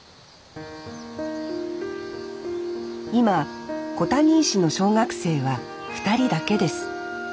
今小谷石の小学生は２人だけです。